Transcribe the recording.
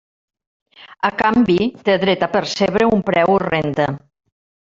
A canvi, té dret a percebre un preu o renda.